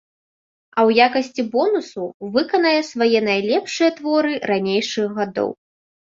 А ў якасці бонусу выканае свае найлепшыя творы ранейшых гадоў.